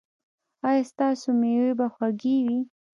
ایا ستاسو میوې به خوږې وي؟